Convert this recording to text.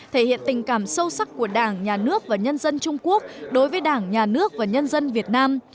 thể hiện tình cảm sâu sắc của đảng nhà nước và nhân dân trung quốc đối với đảng nhà nước và nhân dân việt nam